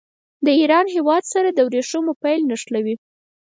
د ایران هېواد سره د ورېښمو پل نښلوي.